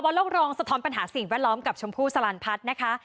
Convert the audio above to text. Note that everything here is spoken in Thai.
โลกรองสะท้อนปัญหาสิ่งแวดล้อมกับชมพู่สลันพัฒน์นะคะ